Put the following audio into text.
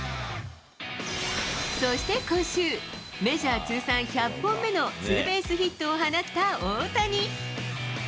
そして今週、メジャー通算１００本目のツーベースヒットを放った大谷。